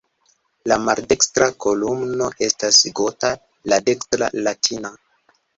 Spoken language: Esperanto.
La maldekstra kolumno estas "gota", la dekstra "latina".